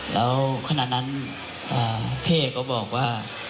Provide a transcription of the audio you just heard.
แล้วขณะนั้นเท่ก็บอกว่า